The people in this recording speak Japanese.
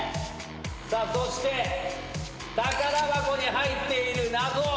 さあそして宝箱に入っている謎。